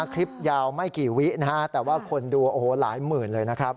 คลิปยาวไม่กี่วินะฮะแต่ว่าคนดูโอ้โหหลายหมื่นเลยนะครับ